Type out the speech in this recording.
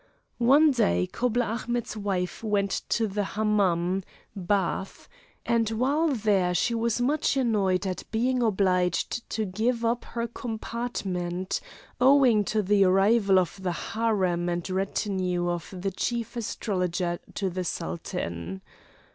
One day cobbler Ahmet's wife went to the Hamam (bath), and while there she was much annoyed at being obliged to give up her compartment, owing to the arrival of the Harem and retinue of the Chief Astrologer to the Sultan.